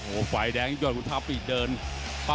โอ้ฝ่ายแดงยกทัพอีกเดินครับ